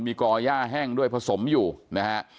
มีก่อย่าแห้งด้วยผสมอยู่นะฮะ